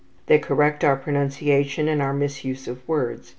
They correct our pronunciation and our misuse of words.